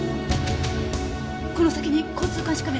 この先に交通監視カメラは？